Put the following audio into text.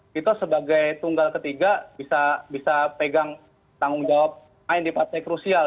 vito sebagai tunggal ketiga bisa pegang tanggung jawab yang dipakai krusial